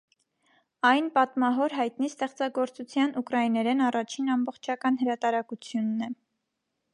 Այն «պատմահոր» հայտնի ստեղծագործության ուկրաիներեն առաջին ամբողջական հրատարակությունն է։